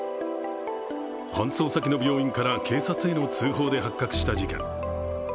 搬送先の病院から警察への通報で発覚した事件。